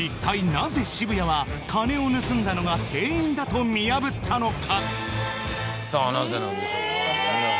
なぜ渋谷は金を盗んだのが店員だと見破ったのか？